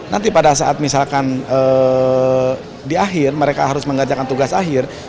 nanti pada saat misalkan di akhir mereka harus mengajakkan tugas akhir